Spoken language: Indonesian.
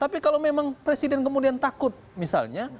tapi kalau memang presiden kemudian takut misalnya